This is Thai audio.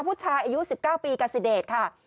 ผู้ชายอายุ๑๙ปีกาซิเดชค่ะ